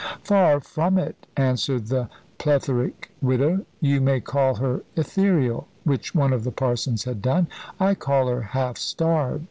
"Far from it," answered the plethoric widow. "You may call her ethereal," which one of the parsons had done; "I call her half starved.